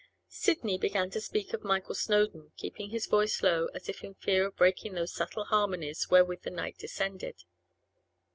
Sidney began to speak of Michael Snowdon, keeping his voice low, as if in fear of breaking those subtle harmonies wherewith the night descended.